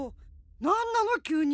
なんなのきゅうに？